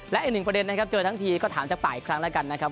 และอีกหนึ่งประเด็นนะครับเจอทั้งทีก็ถามจากป่าอีกครั้งแล้วกันนะครับ